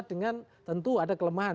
dengan tentu ada kelemahan